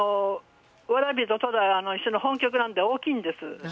蕨と戸田一緒の本局なんで大きいんです。